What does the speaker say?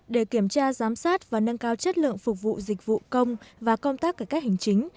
để kiểm tra giám sát và nâng cao chất lượng phục vụ dịch vụ công và công tác các hình chính